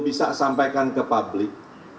bisa sampaikan ke publik